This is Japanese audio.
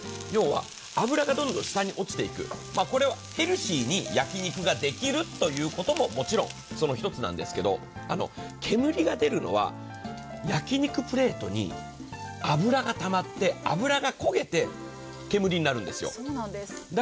要は、脂がどんどん下に落ちていくこれはヘルシーに焼き肉ができるということももちろんその一つなんですけれども、煙が出るのは、焼き肉プレートに脂がたまって脂が焦げて煙になるんですよ。